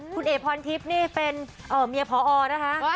คุณเอ๋พรทิพย์นี่เป็นเมียพอนะคะ